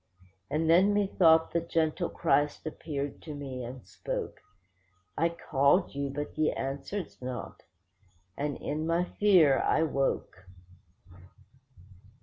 And then methought the gentle Christ appeared to me, and spoke: 'I called you, but ye answered not'—and in my fear I woke.